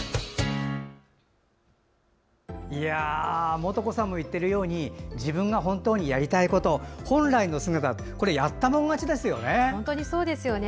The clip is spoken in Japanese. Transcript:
もとこさんも言ってるように自分が本当にやりたいこと本来の姿これはやったもん勝ちですよね。